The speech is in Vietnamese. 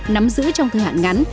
nắm giữ trong thời hạn ngắn